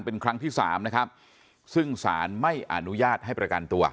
เป็นครั้งที่สามนะครับซึ่งสารไม่อนุญาตให้ประกันตัว